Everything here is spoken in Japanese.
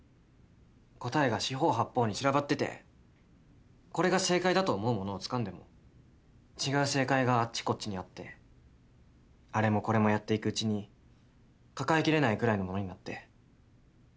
答えが四方八方に散らばっててこれが正解だと思うものをつかんでも違う正解があっちこっちにあってあれもこれもやっていくうちに抱えきれないくらいのものになって。